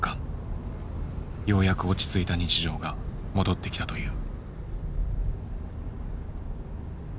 ようやく落ち着いた日常が戻ってきたという。